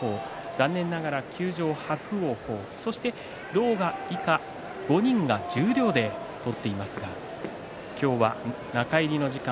残念ながら休場、伯桜鵬狼雅以下５人が十両で取っていますが今日は中入りの時間